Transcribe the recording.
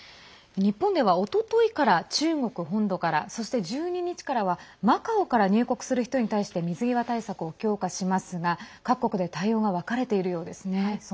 日本ではおとといから中国本土からそして、１２日からはマカオから入国する人に対して水際対策を強化しますが、各国で対応が分かれているようですね。